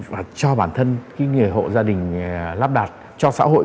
và cho bản thân người hộ gia đình lắp đặt cho xã hội